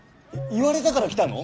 言われたから来たの？